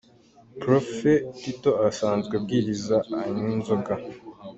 Prophet Tito asanzwe abwiriza anywa inzoga.